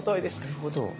なるほど。